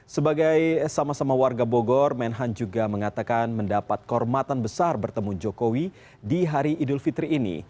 sebagai sama sama warga bogor menhan juga mengatakan mendapat kehormatan besar bertemu jokowi di hari idul fitri ini